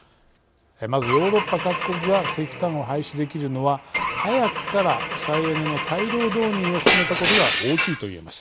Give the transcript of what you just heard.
まず、ヨーロッパ各国が石炭を廃止できるのは早くから再エネの大量導入を進めたことが大きいといえます。